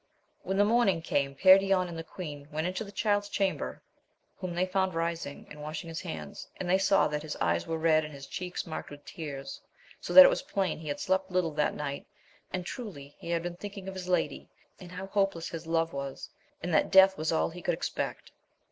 When the morning came, Perion and the queen went into the Child's chamber, whom they found rising and washing his hands, and they saw that his eyes were red and his cheeks marked with tears, so that it was plain he had slept little that night, and truly he had been thinking of his lady, and how hope less his love was, and that death was all he could expect.